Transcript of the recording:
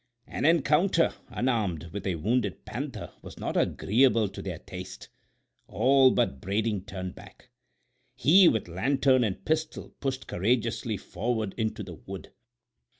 An encounter, unarmed, with a wounded panther was not agreeable to their taste; all but Brading turned back. He, with lantern and pistol, pushed courageously forward into the wood.